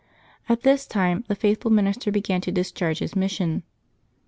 At this age the faithful minister began to discharge his mission.